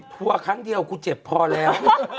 ทัวร์ครั้งเดียวกูเจ็บพอแล้ว